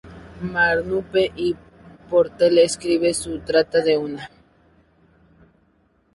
Manrupe y Portela escriben que se trata de una